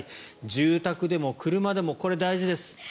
住宅でも車でもこれ、大事です。